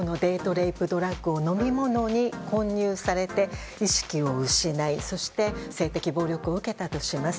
レイプドラッグを飲み物に混入されて、意識を失いそして性的暴力を受けたとします。